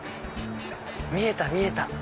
見えた見えた。